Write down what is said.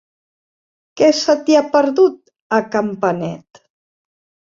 Què se t'hi ha perdut, a Campanet?